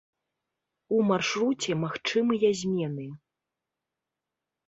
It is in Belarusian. У маршруце магчымыя змены.